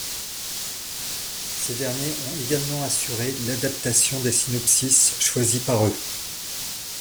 Ces derniers ont également assuré l'adaptation des synopsis choisis par eux.